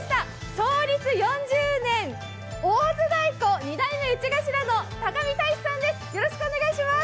創立４０年、大津太鼓２世目打ち頭の高見大志さんです。